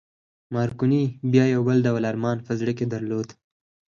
مارکوني بیا یو بل ډول ارمان په زړه کې درلود